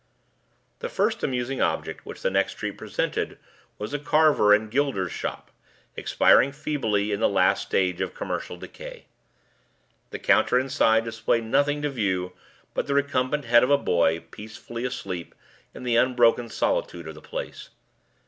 The first amusing object which the next street presented was a carver and gilder's shop, expiring feebly in the last stage of commercial decay. The counter inside displayed nothing to view but the recumbent head of a boy, peacefully asleep in the unbroken solitude of the place.